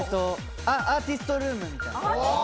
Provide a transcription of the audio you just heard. アーティストルームみたいな。